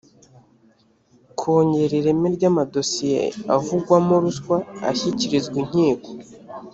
kongera ireme ry amadosiye avugwamo ruswa ashyikirizwa inkiko